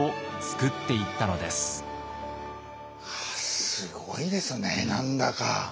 すごいですね何だか。